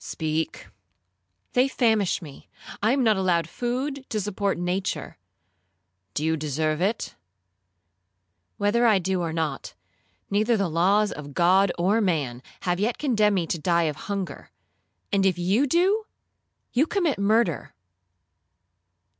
'—'Speak.'—'They famish me,—I am not allowed food to support nature.'—'Do you deserve it?'—'Whether I do or not, neither the laws of God or man have yet condemned me to die of hunger; and if you do, you commit murder.'